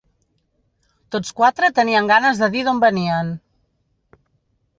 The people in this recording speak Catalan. Tots quatre tenien ganes de dir d'on venien.